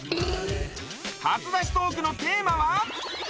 初出しトークのテーマは？